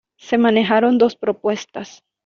Se manejaron dos propuestas.